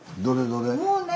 どれどれ？